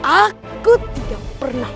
aku tidak pernah